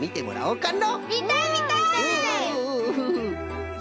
うん！